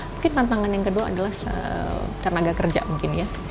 mungkin tantangan yang kedua adalah tenaga kerja mungkin ya